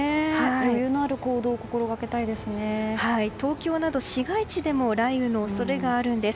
余裕のある行動を東京など市街地でも雷雨の恐れがあるんです。